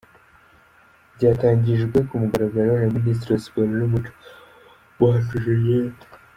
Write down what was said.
Ryatangijwe ku mugaragaro na Minisitiri wa Siporo n’Umuco, Uwacu Julienne.